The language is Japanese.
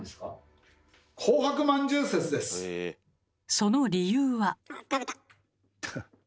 その理由は？